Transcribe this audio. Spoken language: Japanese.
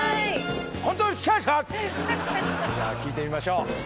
じゃあ聞いてみましょう。